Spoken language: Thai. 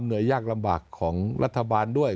เหนื่อยยากลำบากของรัฐบาลด้วย